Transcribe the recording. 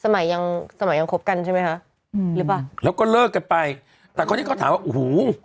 สมัยยังสมัยยังคบกันใช่ไหมฮะหรือแล้วก็เลิกกันไปแต่คนที่ก็ถามว่า